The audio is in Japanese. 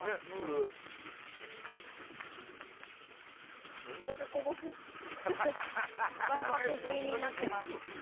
わんぱく食いになっています。